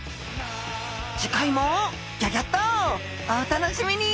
次回もギョギョッとお楽しみに！